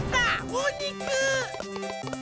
おにく！